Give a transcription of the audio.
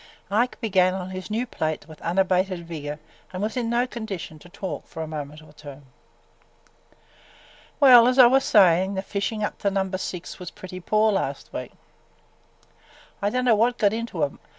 Ike began on his new plate with unabated vigor and was in no condition to talk for a moment or two. "Well, as I was sayin', the fishin' up to Number Six was pretty poor last week. I dunno what got into 'em.